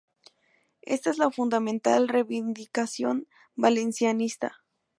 Esta es la fundamental reivindicación valencianista.